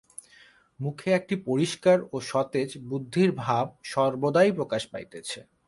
মুখে একটি পরিষ্কার ও সতেজ বুদ্ধির ভাব সর্বদাই প্রকাশ পাইতেছে।